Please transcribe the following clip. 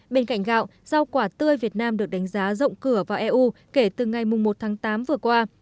bên cạnh gạo rau quả tươi việt nam được đánh giá rộng cửa vào eu kể từ ngày một tháng tám vừa qua